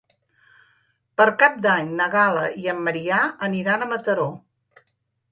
Per Cap d'Any na Gal·la i en Maria aniran a Mataró.